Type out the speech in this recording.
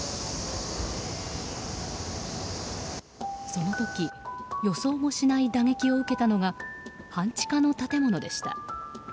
その時予想もしない打撃を受けたのが半地下の建物でした。